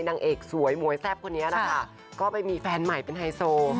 นางเอกสวยมวยแซ่บคนนี้นะคะก็ไปมีแฟนใหม่เป็นไฮโซ